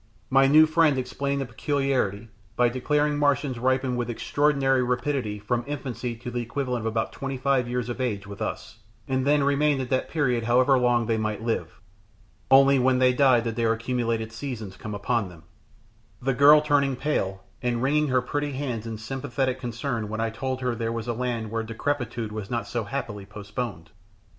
My new friend explained the peculiarity by declaring Martians ripened with extraordinary rapidity from infancy to the equivalent of about twenty five years of age, with us, and then remained at that period however long they might live; Only when they died did their accumulated seasons come upon them; the girl turning pale, and wringing her pretty hands in sympathetic concern when I told her there was a land where decrepitude was not so happily postponed.